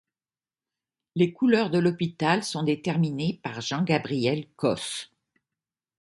Les couleurs de l'hopital sont déterminées par Jean-Gabriel Causse.